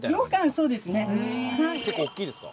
結構大きいですか？